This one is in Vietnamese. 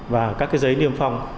và các giấy niêm phong